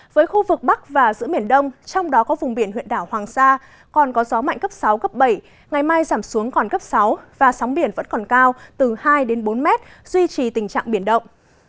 với khu vực bắc và giữa biển đông trong đó có vùng biển huyện đảo hoàng sa còn có gió mạnh cấp sáu cấp bảy ngày mai giảm xuống còn cấp sáu và sóng biển vẫn còn cao từ hai đến bốn mét duy trì tình trạng biển động